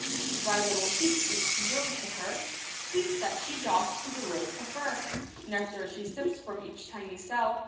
The dry little heath seems to yield to her Sweets that she doth to the rose prefer ; Nectar she sips from each tiny cell.